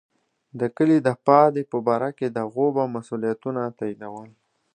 د کلي د پادې په باره کې د غوبه مسوولیتونه تاییدول.